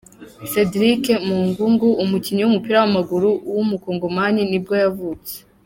Cédric Mongongu, umukinnyi w’umupira w’amaguru w’umu-Kongomani nibwo yavutse.